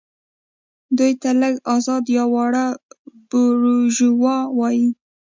دوی ته لږ ازاد یا واړه بوروژوا وايي.